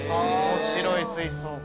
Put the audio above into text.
面白い水槽。